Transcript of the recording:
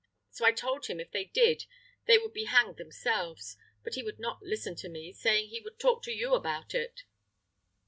So I told him if they did they would be hanged themselves; but he would not listen to me, saying he would talk to you about it."